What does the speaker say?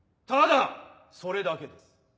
ただそれだけです。